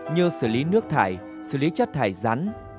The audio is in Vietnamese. như xử lý nước thải xử lý chất thải rắn